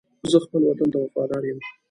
زه خپل وطن ته وفادار یم.